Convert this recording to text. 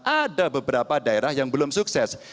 ada beberapa daerah yang belum sukses